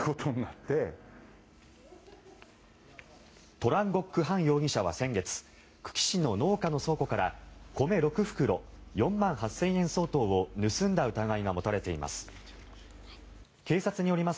トラン・ゴック・ハン容疑者は先月久喜市の農家の倉庫から米６袋４万８０００円相当を盗んだ疑いが持たれています。